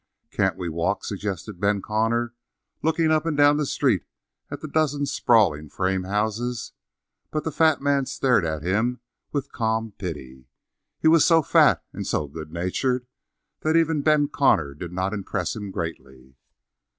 "Can't we walk?" suggested Ben Connor, looking up and down the street at the dozen sprawling frame houses; but the fat man stared at him with calm pity. He was so fat and so good natured that even Ben Connor did not impress him greatly.